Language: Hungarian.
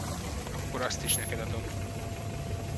Akkor azt is neked adom.